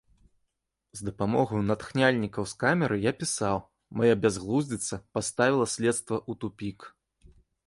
З дапамогаю натхняльнікаў з камеры я пісаў, мая бязглуздзіца паставіла следства ў тупік.